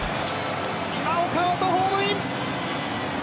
今、岡本、ホームイン。